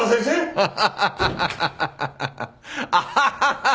アハハハハハ！